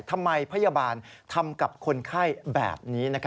พยาบาลทำกับคนไข้แบบนี้